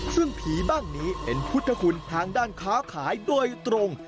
ซึ่งผีบ้างนี้เป็นพุทธคุณทางด้านค้าขายโดยตรง